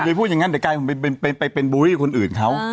คุณก็พูดอย่างงั้นแต่กลายเป็นบูรีคนอื่นเขา